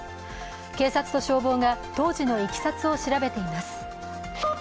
警察と消防が当時のいきさつを調べています。